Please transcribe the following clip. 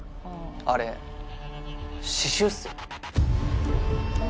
あれ死臭っすよ。